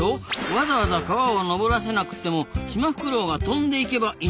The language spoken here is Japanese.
わざわざ川を上らせなくてもシマフクロウが飛んで行けばいいんじゃないですかねえ？